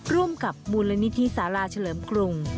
ร่วมกับบูรณนิธีศาลาเฉลิมกรุง